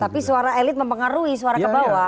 tapi suara elite mempengaruhi suara kebawah